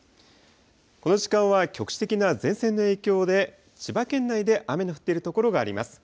この時間は局地的な前線の影響で、千葉県内で雨の降っている所があります。